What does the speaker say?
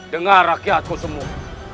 dengar rakyatku semua